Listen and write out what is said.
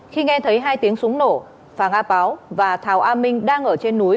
khi nghe thấy hai tiếng súng nổ phàng a báo và thảo a minh đang ở trên núi